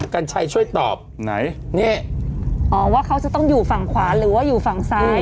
กัญชัยช่วยตอบไหนนี่อ๋อว่าเขาจะต้องอยู่ฝั่งขวาหรือว่าอยู่ฝั่งซ้าย